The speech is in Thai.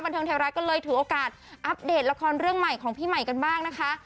เทิงไทยรัฐก็เลยถือโอกาสอัปเดตละครเรื่องใหม่ของพี่ใหม่กันบ้างนะคะ